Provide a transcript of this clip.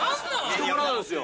人柄なんですよ。